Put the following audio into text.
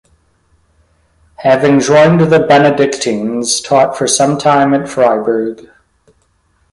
Having joined the Benedictines, taught for some time at Freiburg.